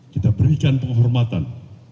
kita berikan penghormatan